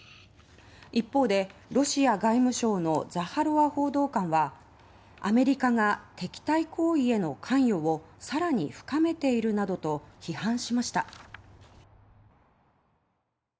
一方でロシア外務省のザハロワ報道官はアメリカが敵対行為への関与をさらに深めているなどと批判しました。